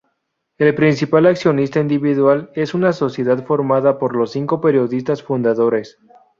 El principal accionista individual es una sociedad formada por los cinco periodistas fundadores.